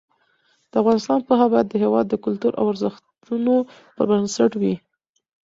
د افغانستان پوهه باید د هېواد د کلتور او ارزښتونو پر بنسټ وي.